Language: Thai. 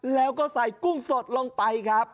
แล้วก็ใส่กุ้งสดลงไปครับ